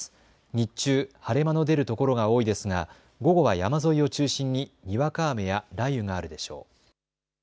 日中、晴れ間の出る所が多いですが午後は山沿いを中心ににわか雨や雷雨があるでしょう。